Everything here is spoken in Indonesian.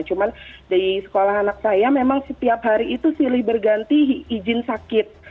cuman di sekolah anak saya memang setiap hari itu silih berganti izin sakit